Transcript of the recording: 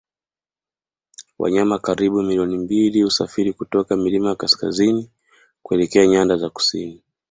Wanyama karibu milioni mbili husafiri kutoka milima ya kaskazini kuelekea nyanda za kusini